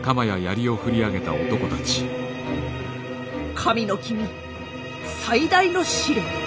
神の君最大の試練。